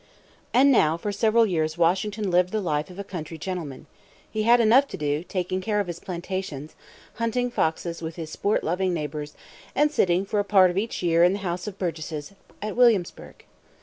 And now for several years Washington lived the life of a country gentleman. He had enough to do, taking care of his plantations, hunting foxes with his sport loving neighbors, and sitting for a part of each year in the House of Burgesses at Williamsburg.